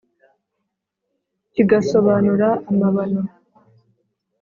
Kigasobanura amabano